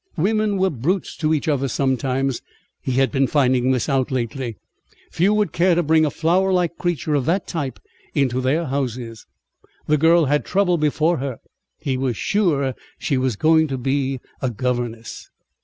Women were brutes to each other sometimes. He had been finding this out lately. Few would care to bring a flowerlike creature of that type into their houses. The girl had trouble before her. He was sure she was going to be a governess.